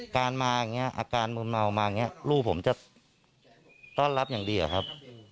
การมาอย่างนี้อาการมืนเมามาอย่างนี้ลูกผมจะต้อนรับอย่างดีอะครับ